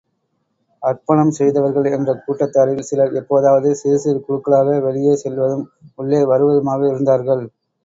அர்ப்பணம் செய்தவர்கள் என்ற கூட்டத்தாரில் சிலர் எப்போதாவது சிறுசிறு குழுக்களாக வெளியே செல்வதும், உள்ளே வருவதுமாக இருந்தார்கள்.